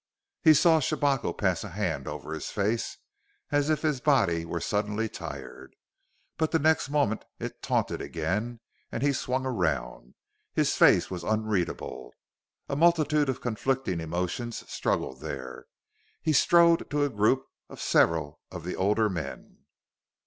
He saw Shabako pass a hand over his face, as if his body were suddenly tired; but the next moment it tautened again and he swung around. His face was unreadable. A multitude of conflicting emotions struggled there. He strode to a group of several of the older men.